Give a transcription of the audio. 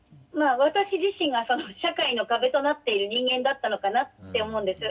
まあ私自身が社会の壁となっている人間だったのかなって思うんです。